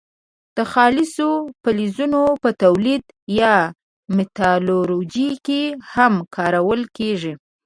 د خالصو فلزونو په تولید یا متالورجي کې هم کارول کیږي.